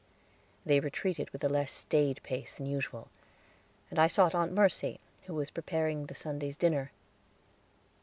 They retreated with a less staid pace than usual, and I sought Aunt Mercy, who was preparing the Sunday's dinner.